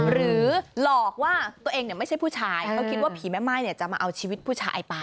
หรือหลอกว่าตัวเองไม่ใช่ผู้ชายเขาคิดว่าผีแม่ม่ายจะมาเอาชีวิตผู้ชายไป